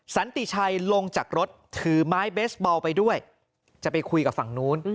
สันติชัยลงจากรถถือไม้เบสบอลไปด้วยจะไปคุยกับฝั่งนู้น